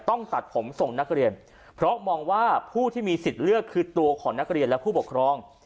ต้องตัดผมส่งนักเรียนเพราะมองว่าผู้ที่มีสิทธิ์เลือกคือตัวของนักเรียนและผู้ปกครอง